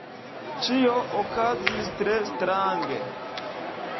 Ĉio okazis tre strange.